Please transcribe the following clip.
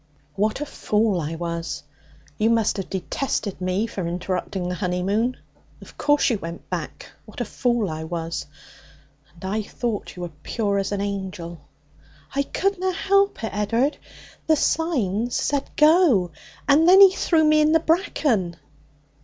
'What a fool I was! You must have detested me for interrupting the honeymoon. Of course you went back! What a fool I was! And I thought you were pure as an angel.' 'I couldna help it, Ed'ard; the signs said go, and then he threw me in the bracken.'